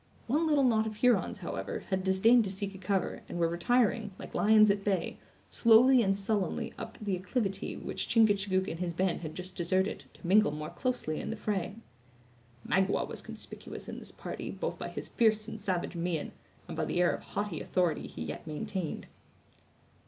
One little knot of Hurons, however, had disdained to seek a cover, and were retiring, like lions at bay, slowly and sullenly up the acclivity which Chingachgook and his band had just deserted, to mingle more closely in the fray. Magua was conspicuous in this party, both by his fierce and savage mien, and by the air of haughty authority he yet maintained.